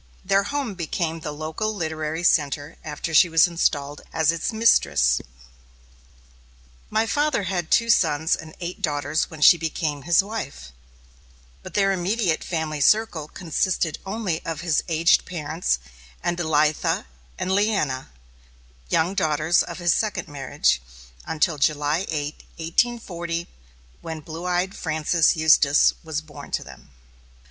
Their home became the local literary centre after she was installed as its mistress. My father had two sons and eight daughters when she became his wife; but their immediate family circle consisted only of his aged parents, and Elitha and Leanna, young daughters of his second marriage, until July 8, 1840, when blue eyed Frances Eustis was born to them.